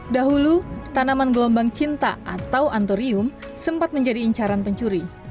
dahulu tanaman gelombang cinta atau antorium sempat menjadi incaran pencuri